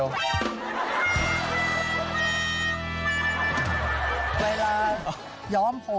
เวลาย้อมผมแล้ว